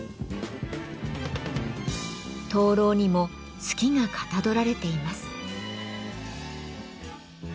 灯籠にも月がかたどられています。